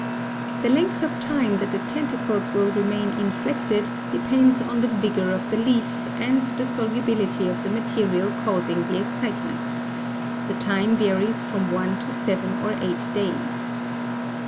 The length of time that the tentacles will remain inflected depends on the vigor of the leaf and the solubility of the material causing the excitement. The time varies from one to seven or eight days.